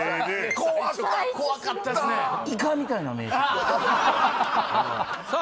怖かったっすねさあ